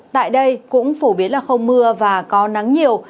tại đây cũng phổ biến là không mưa và có nắng nhiều